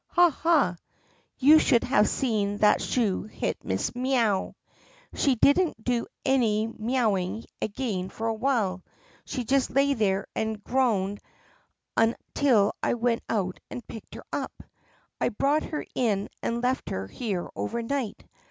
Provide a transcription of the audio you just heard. Ha ! ha ! You should have seen that shoe hit Miss Mee ow ! She did n't do any mee owing again for a while. She just lay there and groaned un THE PUSSYCAT PRINCESS 7 til I went out and picked her up. I brought her in and left her here overnight.